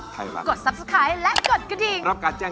แล้วคุณหมอบอกว่าเกิดจากอะไร